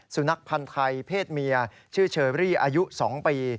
สุนัขพันธ์ไทยเพศเมียชื่อเชอรี่อายุ๒ปี